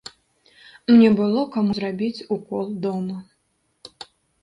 Мне было каму зрабіць укол дома.